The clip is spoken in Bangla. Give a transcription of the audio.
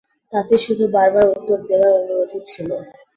তাতে শুধু বারবার উত্তর দেবার অনুরোধই ছিল।